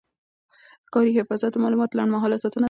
کاري حافظه د معلوماتو لنډمهاله ساتنه ده.